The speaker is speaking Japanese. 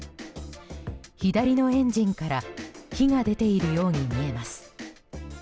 左のエンジンから火が出ているように見えます。